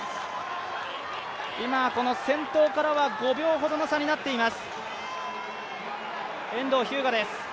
今、先頭からは５秒ほどの差になっています、遠藤日向です。